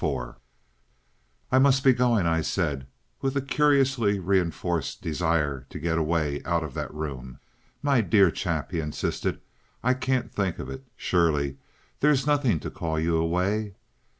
§ 4 "I must be going," I said, with a curiously reinforced desire to get away out of that room. "My dear chap!" he insisted, "I can't think of it. Surely—there's nothing to call you away."